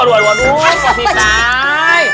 aduh kasih saj